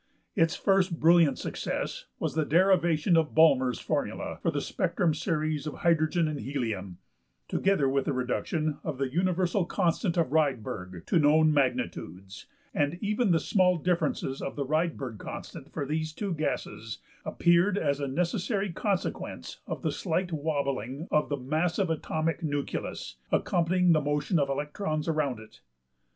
Its first brilliant success was the derivation of Balmer's formula for the spectrum series of hydrogen and helium, together with the reduction of the universal constant of Rydberg to known magnitudes(35); and even the small differences of the Rydberg constant for these two gases appeared as a necessary consequence of the slight wobbling of the massive atomic nucleus (accompanying the motion of electrons around it).